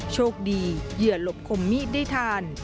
โชคดีเหยื่อหลบคมมีดได้ทัน